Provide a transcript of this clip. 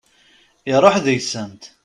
Iruḥ deg-sent.